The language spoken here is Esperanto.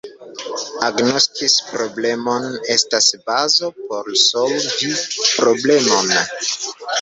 Agnoski problemon estas bazo por solvi problemon.